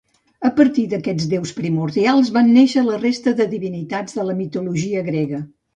A partir d'aquests déus primordials van néixer la resta de divinitats de la mitologia grega.